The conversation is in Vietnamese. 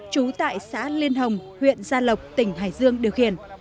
trú tại xã liên hồng huyện gia lộc tỉnh hải dương điều khiển